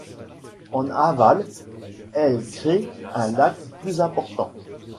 En aval, elle crée un lac plus important.